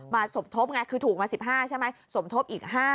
สมทบไงคือถูกมา๑๕ใช่ไหมสมทบอีก๕๐